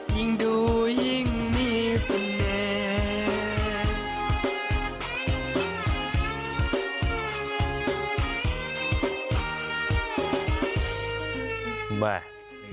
ยิ่งดูยิ่งมีเสน่ห์